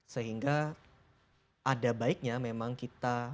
sehingga ada baiknya memang kita